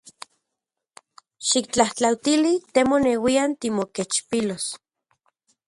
Xiktlajtlautili te moneuian timokechpilos.